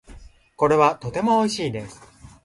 これはとても美味しいです。